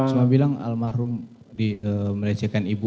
semua bilang almarhum merecehkan ibu